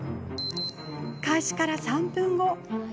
開始から３分後。